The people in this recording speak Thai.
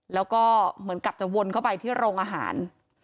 แล้วก็เหมือนกับจะวนเข้าไปที่โรงอาหาร